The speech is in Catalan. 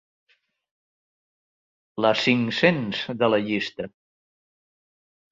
La cinc-cents de la llista.